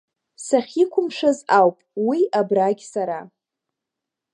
Сахьиқәымшәаз ауп, уи абрагь сара…